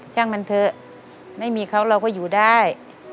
ช่างมันเถอะไม่มีเขาเราก็อยู่ได้